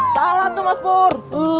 salah tuh mas pur